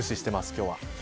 今日は。